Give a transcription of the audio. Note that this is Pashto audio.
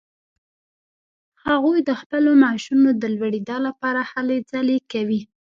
هغوی د خپلو معاشونو د لوړیدا لپاره هلې ځلې کوي.